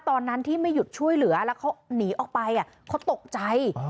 ตอนนั้นที่ไม่หยุดช่วยเหลือแล้วเขาหนีออกไปเขาตกใจ